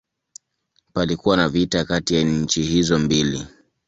Palikuwa na vita kati ya nchi hizo mbili.